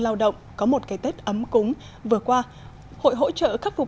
lao động có một cái tết ấm cúng vừa qua hội hỗ trợ khắc phục